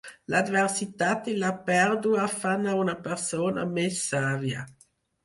L'adversitat i la pèrdua fan a una persona més sàvia.